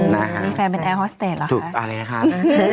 นี่แฟนเป็นแอร์ฮอสเตจเหรอคะถูกอะไรครับ